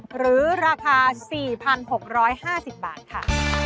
หรือราคา๔๖๕๐บาทค่ะ